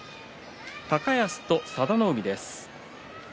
高安と佐田の海です。